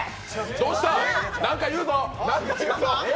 どうした、何か言うぞ！